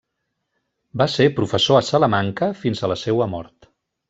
Va ser professor a Salamanca fins a la seua mort.